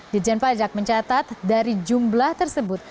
di ajen pajak mencatat dari jumlah tersebut